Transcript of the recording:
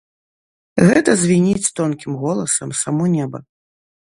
Гэта звініць тонкім голасам само неба.